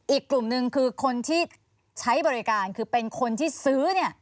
อีกกลุ่มหนึ่งคือคนที่ใช้บริการคือเป็นคนที่ซื้อ